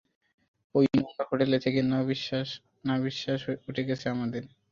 অই নোংরা হোটেলে থেকে নাভিশ্বাস উঠে গেছে আমাদের!